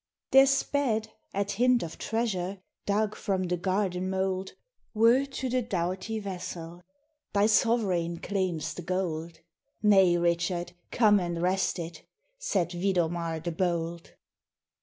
THERE sped, at hint of treasure Dug from the garden mould, Word to the doughty vassal: 'Thy sovereign claims the gold!' 'Nay, Richard, come and wrest it!' Said Vidomar the bold.